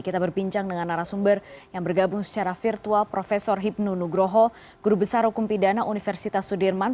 kita berbincang dengan narasumber yang bergabung secara virtual prof hipnu nugroho guru besar hukum pidana universitas sudirman